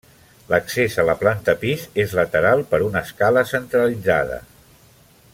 L'accés a la planta pis és lateral per una escala centralitzada.